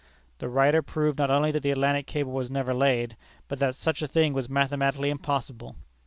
This writer proved not only that the Atlantic cable was never laid, but that such a thing was mathematically impossible.